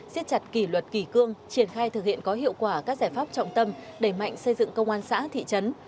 xiết chặt kỷ luật kỳ cương triển khai thực hiện có hiệu quả các giải pháp trọng tâm đẩy mạnh xây dựng công an xã thị trấn